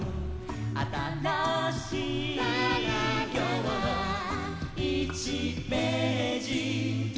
「あたらしいきょうの１ページ」